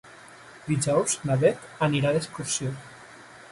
Dijous na Bet anirà d'excursió.